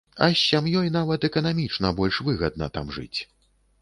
А з сям'ёй нават эканамічна больш выгадна там жыць.